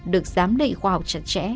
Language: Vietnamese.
được giám định khoa học chặt chẽ